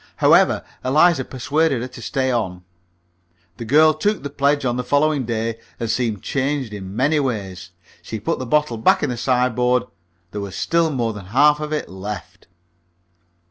However, Eliza persuaded her to stay on. The girl took the pledge on the following day, and seemed changed in many ways. She put the bottle back in the sideboard; there was still more than half of it left.